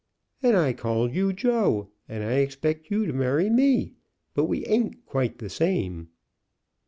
"And I call you Joe, and I expect you to marry me; but we ain't quite the same."